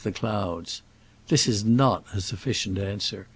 the clouds." This is not a sufficient answer.